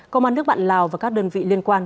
công an nước bạn lào và các đơn vị liên quan